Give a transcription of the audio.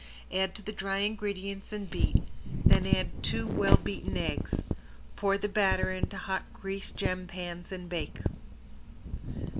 Add to the dry ingredients and beat, then add two well beaten eggs. Pour the batter into hot greased gem pans and bake.